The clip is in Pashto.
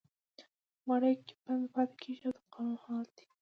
واړه پکې بند پاتې کېږي دا د قانون حال دی.